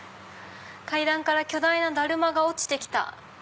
「階段から巨大な達磨が落ちてきた」。